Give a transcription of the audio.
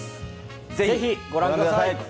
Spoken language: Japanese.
ぜひご覧ください。